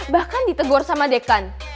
bahkan ditegor sama dekan